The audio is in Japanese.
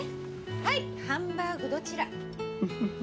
はいハンバーグどちら？